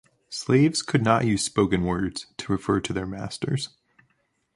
Slaves could not use spoken words to refer to their masters.